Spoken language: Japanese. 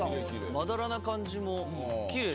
まだらな感じもきれい。